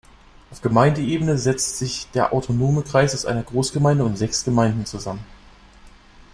Auf Gemeindeebene setzt sich der autonome Kreis aus einer Großgemeinden und sechs Gemeinden zusammen.